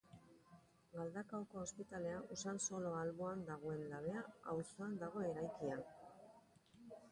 Galdakaoko Ospitalea Usansolo alboan dagoen Labea auzoan dago eraikia.